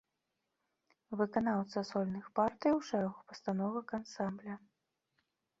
Выканаўца сольных партый у шэрагу пастановак ансамбля.